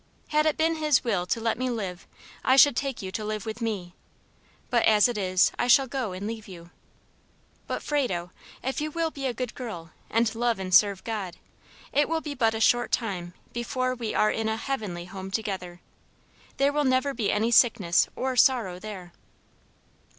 Had it been his will to let me live I should take you to live with me; but, as it is, I shall go and leave you. But, Frado, if you will be a good girl, and love and serve God, it will be but a short time before we are in a HEAVENLY home together. There will never be any sickness or sorrow there."